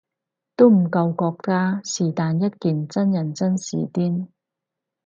都唔夠國家是但一件真人真事癲